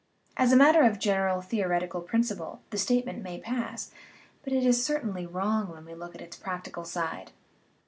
As a matter of general theoretical principle the statement may pass, 310 SCIENCE AND CHRISTIANITY but it is certainly wrong when we look to its practical side.